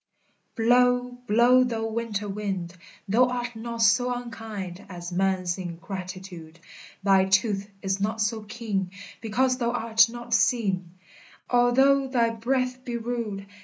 Blow, blow, thou winter wind, Thou art not so unkind As man's ingratitude; Thy tooth is not so keen, Because thou art not seen, Although thy breath be rude.